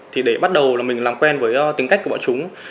thì để bắt đầu là mình làm quen với tính cách của bọn chúng